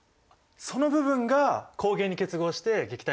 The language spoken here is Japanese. その部分が抗原に結合して撃退するんですね？